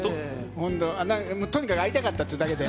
とにかく会いたかったっていうだけで。